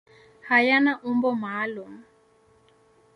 Hayana umbo maalum.